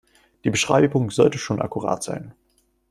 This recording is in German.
Die Beschreibung sollte schon akkurat sein.